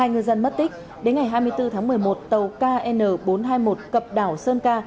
hai ngư dân mất tích đến ngày hai mươi bốn tháng một mươi một tàu kn bốn trăm hai mươi một cập đảo sơn ca